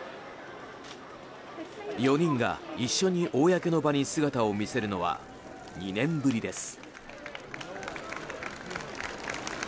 ４人が一緒に公の場に姿を見せるのは２年ぶりです。